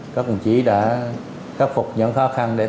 các quân chỉ đã khắc phục những khó khăn